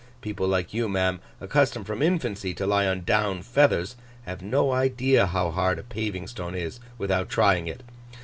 People like you, ma'am, accustomed from infancy to lie on Down feathers, have no idea how hard a paving stone is, without trying it.